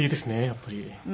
やっぱり。